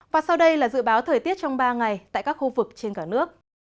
và sau đây là dự báo thời tiết trong ba ngày tại các khu vực trên cả nước